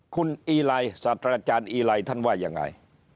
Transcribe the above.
คุณอีไลน์ศาสตราจารย์อีไลน์ท่านว่ายังไง